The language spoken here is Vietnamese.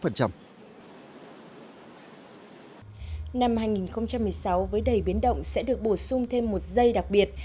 năm hai nghìn một mươi sáu với đầy biến động sẽ được bổ sung thêm một giây đặc biệt